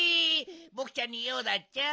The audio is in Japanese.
ボクちゃんにようだっちゃ？